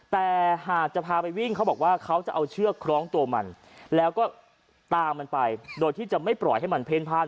แต่หากจะพาไปวิ่งเขาบอกว่าเขาจะเอาเชือกคล้องตัวมันแล้วก็ตามมันไปโดยที่จะไม่ปล่อยให้มันเพ่นพลาด